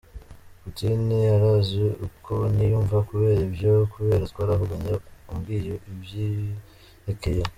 Putin arazi uko niyumva kubera ivyo, kubera twaravuganye ubwiye ibivyerekeye.